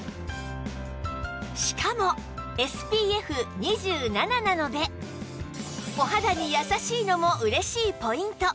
しかも ＳＰＦ２７ なのでお肌に優しいのも嬉しいポイント